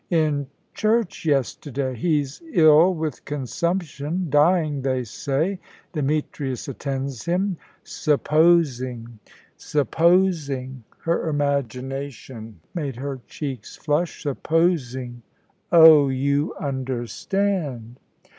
"In church yesterday. He's ill with consumption, dying they say. Demetrius attends him. Supposing supposing" her imagination made her cheeks flush "supposing oh, you understand."